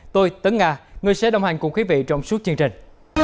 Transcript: tôi tấn nga người sẽ đồng hành cùng quý vị trong suốt chương trình